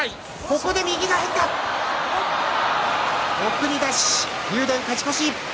送り出し、竜電勝ち越し。